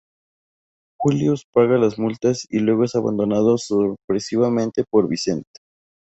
Julius paga las multas y luego es abandonado sorpresivamente por Vincent.